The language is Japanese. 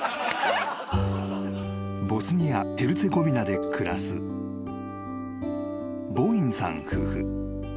［ボスニア・ヘルツェゴビナで暮らすボーインさん夫婦］